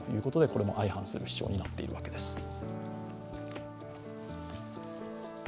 これも相反する主張になっているわけです。